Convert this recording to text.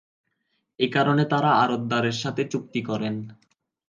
এ কারণে তারা আড়তদারের সাথে চুক্তি করেন।